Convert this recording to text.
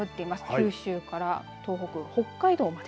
九州から東北、北海道まで。